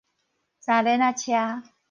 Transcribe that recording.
三輪仔車